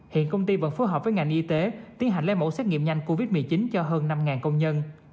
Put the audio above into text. hiện công ty vẫn phối hợp với ngành y tế tiến hành lấy mẫu xét nghiệm nhanh covid một mươi chín cho hơn năm công nhân